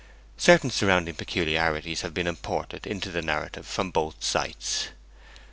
Certain surrounding peculiarities have been imported into the narrative from both sites. T.